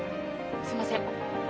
すいません！